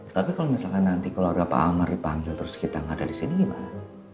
tapi kalau misalkan nanti kalau ada pak amar dipanggil terus kita gak ada disini gimana